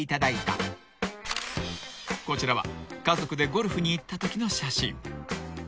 ［こちらは家族でゴルフに行ったときの写真］